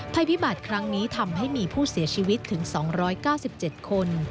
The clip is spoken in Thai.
ภัยพิบัติครั้งนี้ทำให้มีผู้เสียชีวิตถึง๒๙๗คน